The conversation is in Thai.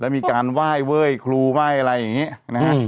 มีการไหว้เว้ยครูไหว้อะไรอย่างนี้นะฮะ